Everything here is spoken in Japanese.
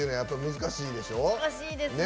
難しいですね。